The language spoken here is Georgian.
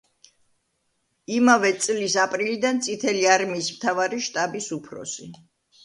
იმავე წლის აპრილიდან წითელი არმიის მთავარი შტაბის უფროსი.